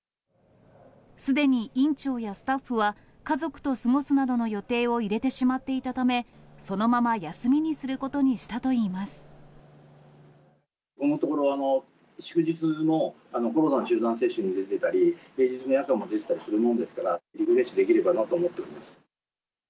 すでに院長やスタッフは、家族と過ごすなどの予定を入れてしまっていたため、そのまま休みここのところ、祝日もコロナの集団接種に出てたり、平日も夜間も出てたりするもんですから、リフレッシュできればなと思っております。